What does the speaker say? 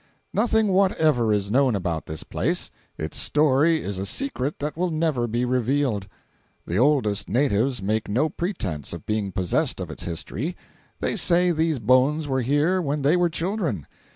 Nothing whatever is known about this place—its story is a secret that will never be revealed. The oldest natives make no pretense of being possessed of its history. They say these bones were here when they were children.